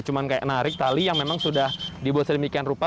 cuma kayak narik tali yang memang sudah dibuat sedemikian rupa